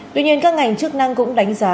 tuy nhiên các ngành chức năng cũng đánh giá